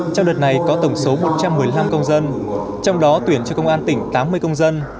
trong đợt này có tổng số một trăm một mươi năm công dân trong đó tuyển cho công an tỉnh tám mươi công dân